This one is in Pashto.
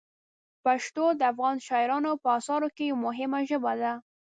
پښتو د افغان شاعرانو په اثارو کې یوه مهمه ژبه ده.